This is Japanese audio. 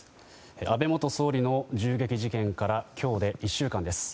安倍元総理の銃撃事件から今日で１週間です。